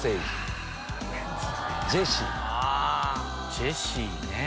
ジェシーね。